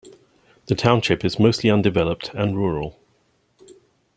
The township is mostly undeveloped and rural.